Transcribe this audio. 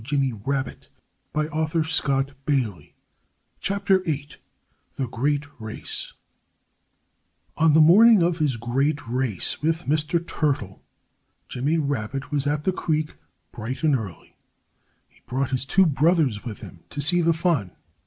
[Illustration: 8 The Great Race] 8 The Great Race On the morning of his great race with Mr. Turtle, Jimmy Rabbit was at the creek bright and early. He brought his two brothers with him, to see the fun.